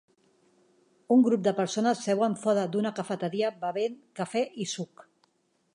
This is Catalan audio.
Un grup de persones seuen fora d'una cafeteria bevent cafè i suc.